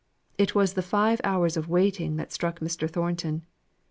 It was the five hours of waiting that struck Mr. Thornton.